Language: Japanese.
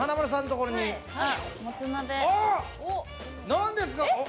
何ですか。